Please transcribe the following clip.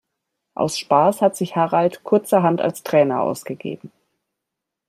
Aus Spaß hat sich Harald kurzerhand als Trainer ausgegeben.